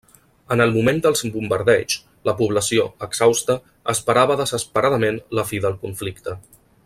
En el moment dels bombardeigs, la població, exhausta, esperava desesperadament la fi del conflicte.